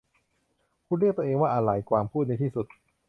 'คุณเรียกตัวเองว่าอะไร ?' กวางพูดในที่สุด